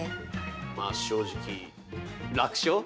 まあ正直、楽勝？